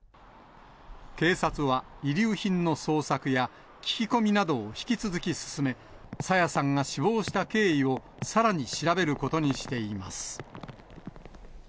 警察は、遺留品の捜索や聞き込みなどを引き続き進め、朝芽さんが死亡した経緯をさらに調べることにしています。